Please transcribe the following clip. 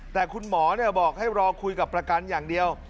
แต่คุณหมอบอกให้รอคุยกับประกันอย่างเดียว